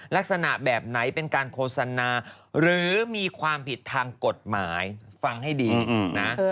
ลักษณะแบบไหนเป็นการโฆษณาหรือมีความผิดทางกฎหมายฟังให้ดีนะ